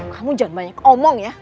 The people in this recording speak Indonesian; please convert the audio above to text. kamu jangan banyak omong ya